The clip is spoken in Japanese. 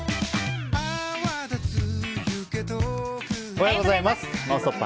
おはようございます。